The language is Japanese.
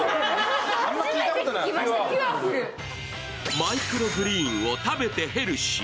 マイクログリーンを食べてヘルシー。